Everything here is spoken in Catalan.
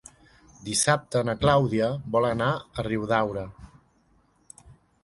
Dissabte na Clàudia vol anar a Riudaura.